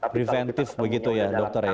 preventif begitu ya dokter ya